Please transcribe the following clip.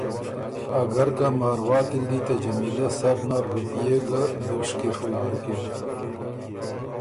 اګر که مارواتي ل دی ته جمیلۀ سر نر رُوپئے ګه ته دُشکی ڒُوک بُکِن